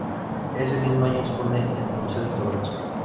Ese mismo año expone en el Museo de Toronto.